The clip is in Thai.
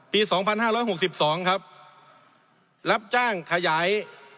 ปีสองพันห้าร้อยหกสิบสองครับรับจ้างขยาย